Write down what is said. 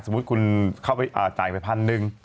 สมมุติคุณใจไป๑๐๐๐บาท